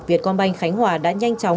việt quang banh khánh hòa đã nhanh chóng